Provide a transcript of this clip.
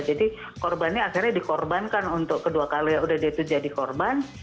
jadi korbannya akhirnya dikorbankan untuk kedua kali ya udah dia itu jadi korban